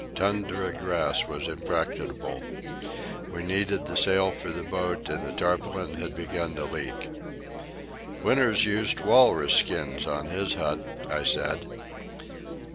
Tundra grass was impracticable. We needed the sail for the boat, and the tarpaulin had begun to leak. "Winters used walrus skins on his hut," I said.